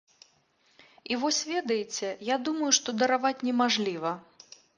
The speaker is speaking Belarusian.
І вось ведаеце, я думаю, што дараваць немажліва?